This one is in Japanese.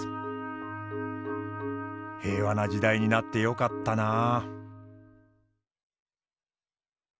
平和な時代になってよかったなあ。